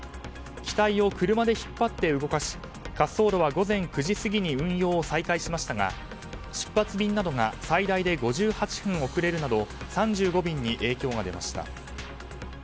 機体を車で引っ張って動かし滑走路は午前９時過ぎに運用を再開しましたが出発便などが最大で５８分遅れるなど３５便に影響が出ました。